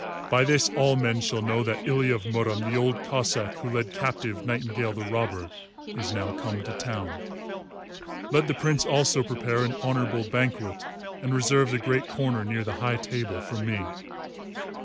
By this all men shall know that Ilya of Murom the Old Cossáck who led captive Nightingale the Robber is now come to town. Let the Prince also prepare an honourable banquet and reserve the great corner near the high table for me.